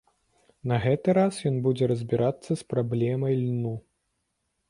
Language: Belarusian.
На гэты раз ён будзе разбірацца з праблемай льну.